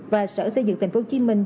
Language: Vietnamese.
và sở xây dựng thành phố hồ chí minh